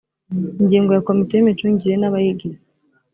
ingingo ya komite y imicungire n abayigize